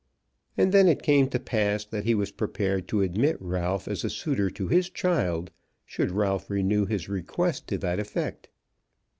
And then it came to pass that he was prepared to admit Ralph as a suitor to his child should Ralph renew his request to that effect.